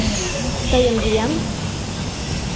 — Тыйын виян?